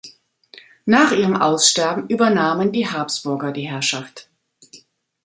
Nach ihrem Aussterben übernahmen die Habsburger die Herrschaft.